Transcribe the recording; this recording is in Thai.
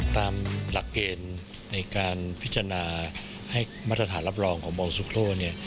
ตามหลักเกณฑ์ในการพิจารณาให้มาตรฐานรับรองของมอลซูโครเนี่ย